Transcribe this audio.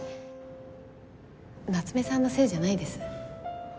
夏目さんのせいじゃないです。